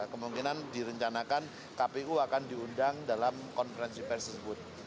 kemungkinan direncanakan kpu akan diundang dalam konferensi pers tersebut